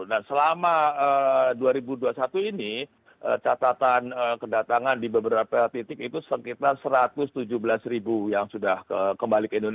nah selama dua ribu dua puluh satu ini catatan kedatangan di beberapa titik itu sekitar satu ratus tujuh belas ribu yang sudah kembali ke indonesia